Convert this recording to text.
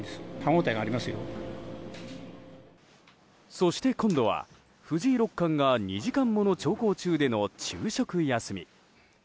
そして今度は藤井六冠が２時間もの長考中での昼食休み。